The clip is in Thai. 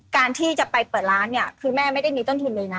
การที่จะไปเปิดร้านเนี่ยคือแม่ไม่ได้มีต้นทุนเลยนะ